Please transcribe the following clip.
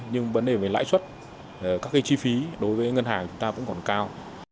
nhưng vấn đề về lãi suất các cái chi phí đối với ngân hàng chúng ta vẫn còn cao